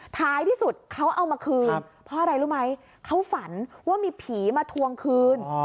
ท้ายที่สุดเขาเอามาคืนเพราะอะไรรู้ไหมเขาฝันว่ามีผีมาทวงคืน